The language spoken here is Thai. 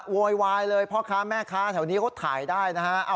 โวยวายเลยพ่อค้าแม่ค้าแถวนี้เขาถ่ายได้นะฮะ